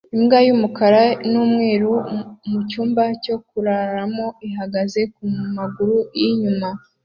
Imbwa y'umukara n'umweru mucyumba cyo kuraramo ihagaze ku maguru y'inyuma